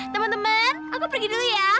temen temen aku pergi dulu ya